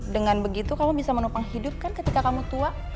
dengan begitu kamu bisa menopang hidup kan ketika kamu tua